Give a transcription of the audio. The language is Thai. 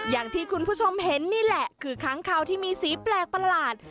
อย่างที่คุณผู้ชมเห็นนี่แหละคือค้างคาวที่มีสีแปลกประหลาด